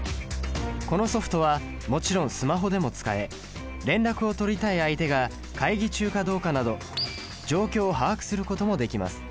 このソフトはもちろんスマホでも使え連絡を取りたい相手が会議中かどうかなど状況を把握することもできます。